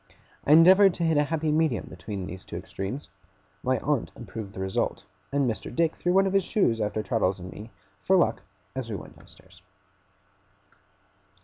I endeavoured to hit a happy medium between these two extremes; my aunt approved the result; and Mr. Dick threw one of his shoes after Traddles and me, for luck, as we went downstairs.